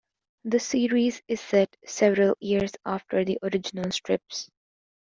The series is set several years after the original strips.